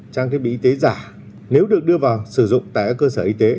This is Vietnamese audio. trang thiết bị y tế giả nếu được đưa vào sử dụng tại các cơ sở y tế